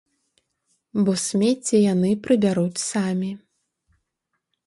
Бо смецце яны прыбяруць самі.